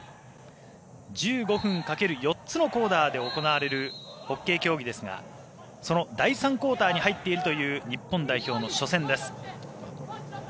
１５分掛ける４つのクオーターで行われるホッケー競技ですがその第３クオーターに入っているという日本代表の初戦です。